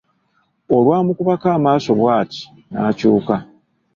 Olwamukubako amaaso bw'ati n'akyuka.